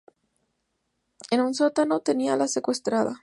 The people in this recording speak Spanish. En un sótano tenían a la secuestrada.